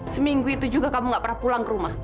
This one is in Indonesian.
seminggu itu juga kamu gak pernah pulang ke rumah